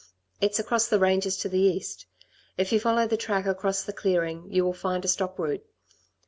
It's across the ranges to the east. If you follow the track across the clearing, you will find a stock route.